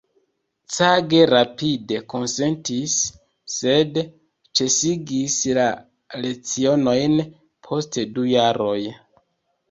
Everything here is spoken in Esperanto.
Cage rapide konsentis, sed ĉesigis la lecionojn post du jaroj.